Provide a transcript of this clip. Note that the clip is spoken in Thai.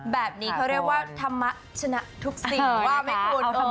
แบบนี้เขาเรียกว่าธรรมะชนะทุกสิ่งว่าไหมคุณ